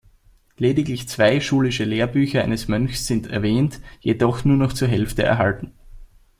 Lediglich zwei schulische Lehrbücher eines Mönchs sind erwähnt, jedoch nur noch zur Hälfte erhalten.